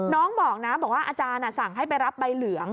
น้องบอกนะบอกว่าอาจารย์สั่งให้ไปรับใบเหลือง